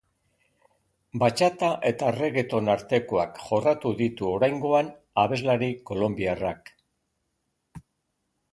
Batxata eta reggaeton artekoak jorratu ditu oraingoan abeslari kolonbiarrak.